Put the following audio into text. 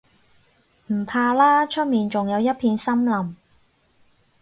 唔怕啦，出面仲有一片森林